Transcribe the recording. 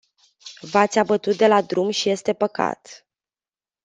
V-ați abătut de la drum și este păcat.